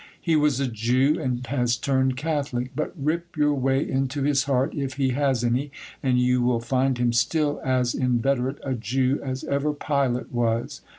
He was a Jew, and has turned Catholic ; but rip your way into his heart if he has any, and you will find him still as inveterate a Jew as ever Pilate was.